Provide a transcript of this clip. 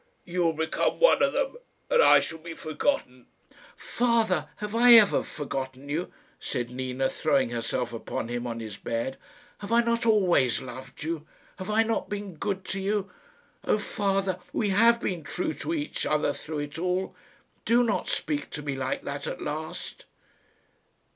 You will become one of them, and I shall be forgotten." "Father, have I ever forgotten you?" said Nina, throwing herself upon him on his bed. "Have I not always loved you? Have I not been good to you? Oh, father, we have been true to each other through it all. Do not speak to me like that at last."